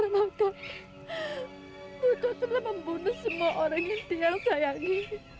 itu sebenarnya membunuh semua orang yang tiang sayangi